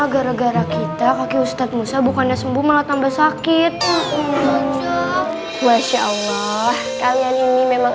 gara gara kita kaki ustadz musa bukannya sembuh malah tambah sakit masya allah kalian ini memang